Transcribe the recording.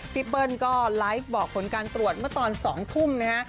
พี่เปิ้ลก็บอกผลการตรวจตอน๒ทุ่ม